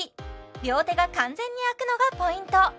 両手が完全に空くのがポイント